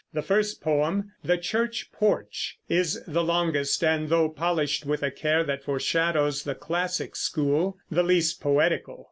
The first poem, "The Church Porch," is the longest and, though polished with a care that foreshadows the classic school, the least poetical.